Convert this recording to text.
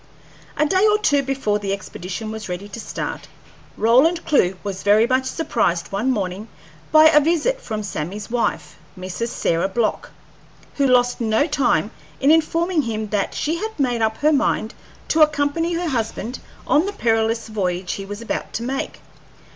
A day or two before the expedition was ready to start, Roland Clewe was very much surprised one morning by a visit from Sammy's wife, Mrs. Sarah Block, who lost no time in informing him that she had made up her mind to accompany her husband on the perilous voyage he was about to make.